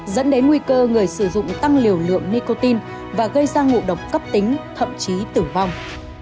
dẫn đến nguy cơ người sử dụng tăng liều lượng nicotine và gây ra ngộ độc cấp tính thậm chí tử vong